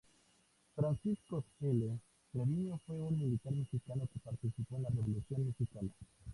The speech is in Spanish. Francisco L. Treviño fue un militar mexicano que participó en la Revolución mexicana.